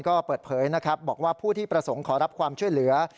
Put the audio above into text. ก็เปิดเผยนะครับบอกว่าผู้ที่ประสงค์ขอรับความช่วยเหลือ